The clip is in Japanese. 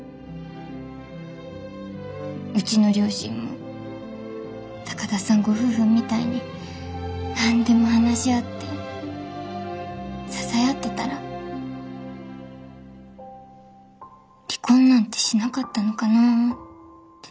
うちの両親も高田さんご夫婦みたいに何でも話し合って支え合ってたら離婚なんてしなかったのかなって。